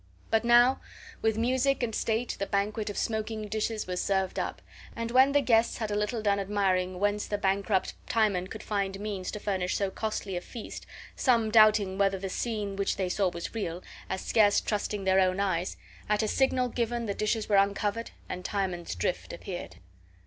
But now with music and state the banquet of smoking dishes was served up; and when the guests had a little done admiring whence the bankrupt Timon could find means to furnish so costly a feast, some doubting whether the scene which they saw was real, as scarce trusting their own eyes, at a signal given the dishes were uncovered and Timon's drift appeared.